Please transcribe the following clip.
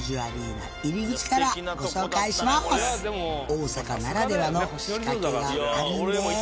それでは大阪ならではの仕掛けがあるんです。